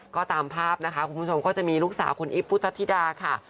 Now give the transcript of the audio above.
ก็ตามภาพนะคะคุณผู้ชมก็จะมีลูกสาวคุณอีฟพุทธธิดาค่ะ